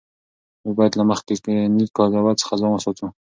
موږ باید له مخکني قضاوت څخه ځان وساتو.